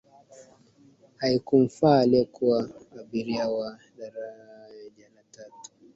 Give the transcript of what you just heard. haikumfaa aliyekuwa abiria wa daraja la tatu